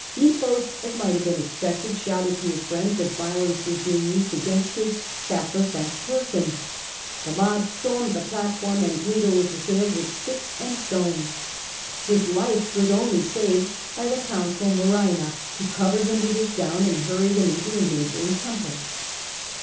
Nepos, as might have been expected, shouted to his friends that violence was being used against his sacrosanct person. The mob stormed the platform, and Cato was assailed with sticks and stones. His life was only saved by the consul Muraena, who covered him with his gown, and hurried him into a neighbouring temple.